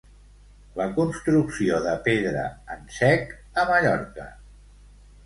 La construcció de pedra en sec a Mallorca.